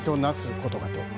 ことかと。